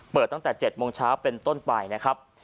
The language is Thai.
ตั้งแต่๗โมงเช้าเป็นต้นไปนะครับ